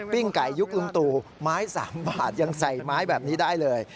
ไก่ยุคลุงตู่ไม้๓บาทยังใส่ไม้แบบนี้ได้เลย